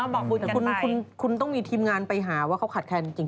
แบทคุณต้องมีทีมงานไปหาว่าเขาขัดแทนจริง